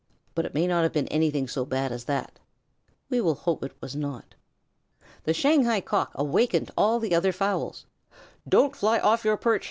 but it may not have been anything so bad as that. We will hope it was not. The Shanghai Cock awakened all the other fowls. "Don't fly off your perch!"